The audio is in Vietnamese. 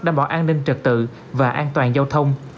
đảm bảo an ninh trật tự và an toàn giao thông